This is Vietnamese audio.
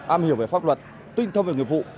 am hiểu về pháp luật tuyên thông về nhiệm vụ